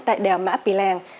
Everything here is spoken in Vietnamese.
tại đèo mã pì lèng